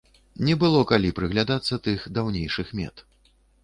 Не было калі прыглядацца тых даўнейшых мет.